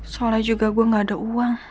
soalnya juga gue gak ada uang